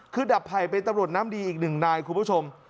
คือดับไผ่เป็นตำรวจน้ำดีอีกหนึ่งนายคุณผู้ชม